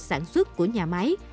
sản xuất của nhà máy